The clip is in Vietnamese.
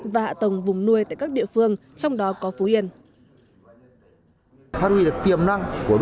và hạ tầng vùng nuôi tại các địa phương trong đó có phú yên